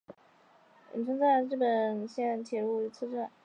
鹉川站日高本线的铁路车站。